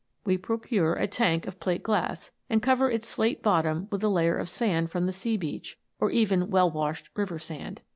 We procure a tank of plate glass, and cover its slate bottom with a layer of sand from the sea beach, or even well washed river sand.